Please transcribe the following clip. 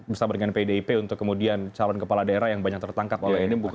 bersama dengan pdip untuk kemudian calon kepala daerah yang banyak tertangkap oleh ini